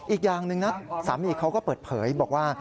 อีกอย่างหนึ่งนะสามีเขาก็เปิดเผยบอกว่า